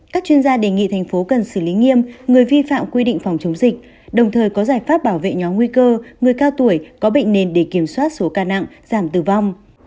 các chuyên gia đề nghị thành phố cần xử lý nghiêm người vi phạm quy định phòng chống dịch đồng thời có giải pháp bảo vệ nhóm nguy cơ người cao tuổi có bệnh nền để kiểm soát số ca nặng giảm tử vong